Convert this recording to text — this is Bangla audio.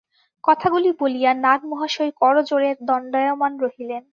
কথাগুলি বলিয়া নাগ-মহাশয় করজোড়ে দণ্ডায়মান রহিলেন।